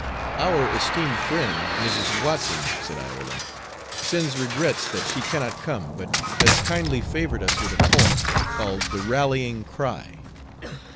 "Our esteemed friend, Mrs. Watson," said Iola, "sends regrets that she cannot come, but has kindly favored us with a poem, called the "Rallying Cry."